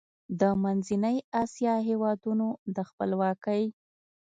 د منځنۍ اسیا هېوادونو د خپلواکۍ